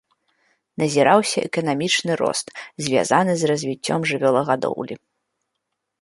Назіраўся эканамічны рост, звязаны з развіццём жывёлагадоўлі.